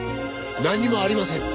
何もありません。